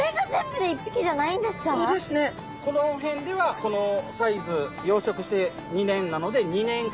この辺ではこのサイズ養殖して２年なので２年子！